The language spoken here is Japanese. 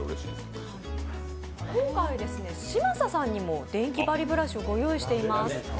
今回、嶋佐さんにもデンキバリブラシをご用意しています。